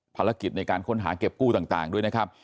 ภารกิจในการค้นหาเก็บกู้ต่างด้วยนะครับ